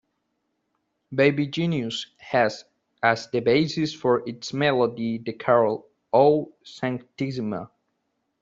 "Baby Genius" has, as the basis for its melody, the carol "O Sanctissima".